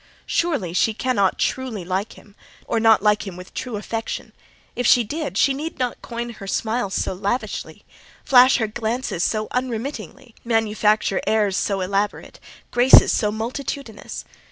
"Surely she cannot truly like him, or not like him with true affection! If she did, she need not coin her smiles so lavishly, flash her glances so unremittingly, manufacture airs so elaborate, graces so multitudinous.